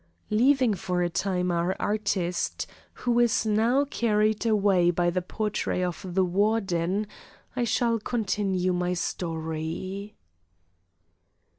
Leaving for a time our artist, who is now carried away by the portrait of the Warden, I shall continue my story.